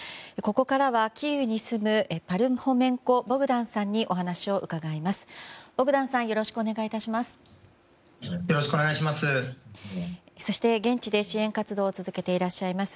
ここからはキーウに住むパルホメンコ・ボグダンさんにお話を伺います。